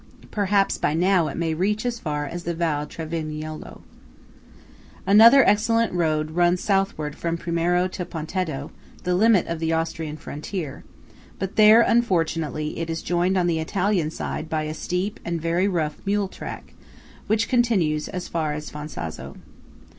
Perhaps by now it may reach as far as the Val Travignolo. Another excellent road runs southward from Primiero to Pontetto, the limit of the Austrian frontier; but there, unfortunately, it is joined on the Italian side by a steep and very rough mule track, which continues as far as Fonzaso.